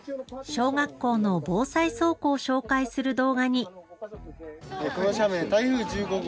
小学校の防災倉庫を紹介する動画に。